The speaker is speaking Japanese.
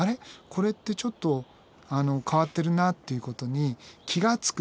これってちょっと変わってるなっていうことに気が付く。